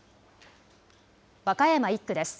和歌山１区です。